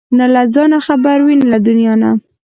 نه له ځانه خبر وي نه له دنيا نه!